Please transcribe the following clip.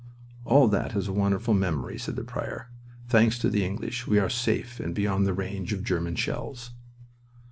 "All that is a wonderful memory," said the prior. "Thanks to the English, we are safe and beyond the range of German shells."